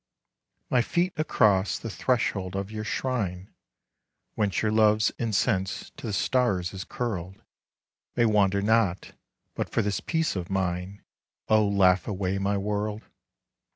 My feet across the threshold of your shrine, Whence your love's incense to the stars is curled, May wander not, but for this peace of mine, Oh, laugh away my world